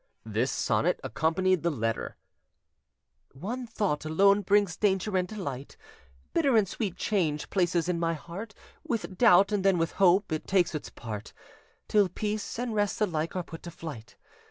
"This sonnet accompanied the letter:— "One thought alone brings danger and delight; Bitter and sweet change places in my heart, With doubt, and then with hope, it takes its part, Till peace and rest alike are put to flight.